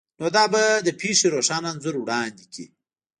نو دا به د پیښې روښانه انځور وړاندې کړي